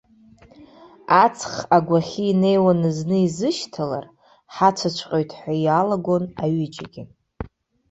Аҵх агәахьы инеиуаны зны изышьҭалар, ҳацәаҵәҟьоит ҳәа иалагон аҩыџьагьы.